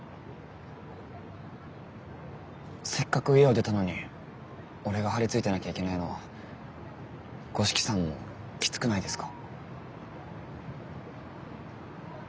せっかく家を出たのに俺が張り付いてなきゃいけないのは五色さんもきつくないですか？